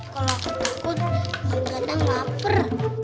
kalo aku takut mungkin adam lapar